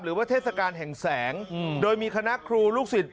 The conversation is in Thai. หรือว่าเทศกาลแห่งแสงโดยมีคณะครูลูกศิษย์